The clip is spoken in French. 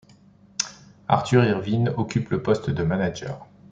Arthur Irwin occupe le poste de manager.